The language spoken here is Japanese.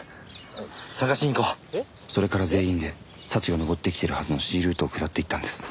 それから全員で早智が登ってきているはずのＣルートを下っていったんです。